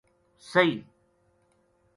سہی